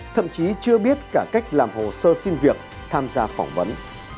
thậm chí chưa biết cả cách làm hồ sơ xin việc tham gia phỏng vấn